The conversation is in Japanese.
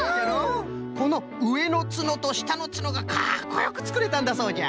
このうえのツノとしたのツノがかっこよくつくれたんだそうじゃ。